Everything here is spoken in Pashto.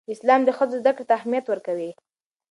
اسلام د ښځو زدهکړې ته اهمیت ورکوي.